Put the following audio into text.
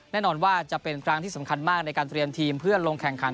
แน่นอนว่าจะเป็นครั้งที่สำคัญมากในการเตรียมทีมเพื่อลงแข่งขัน